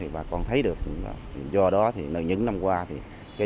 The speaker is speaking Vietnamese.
bà con thấy được do đó những năm qua